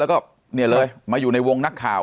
เพราะฉะนั้นประชาธิปไตยเนี่ยคือการยอมรับความเห็นที่แตกต่าง